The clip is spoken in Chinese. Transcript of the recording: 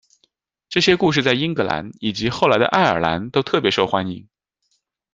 这些故事在英格兰、以及后来的爱尔兰都特别受欢迎。